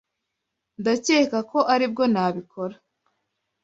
Ndakeka ko aribwo nabikora.